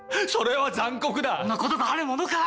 こんなことがあるものか。